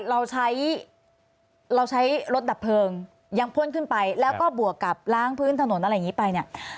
เราใช้เราใช้รถดับเพลิงยังพ่นขึ้นไปแล้วก็บวกกับล้างพื้นถนนอะไรอย่างนี้ไปเนี่ย